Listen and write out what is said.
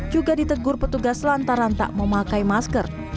juga ditegur petugas lantaran tak memakai masker